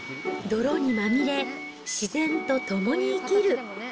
泥にまみれ、自然と共に生きる。